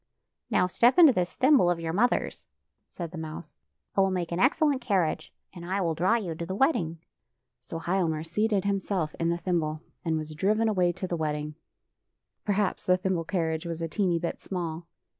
" Now step into this thimble of your mother's," said the mouse. "It will make an excellent carriage, and I will draw you to the wedding." [ 37 ] FAVORITE FAIRY TALES RETOLD So Hialmar seated himself in the thimble and was driven away to the wedding. Perhaps the thimble carriage was a teeny bit small.